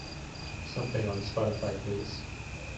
something on Spotify please